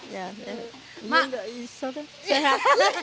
ya enggak bisa kan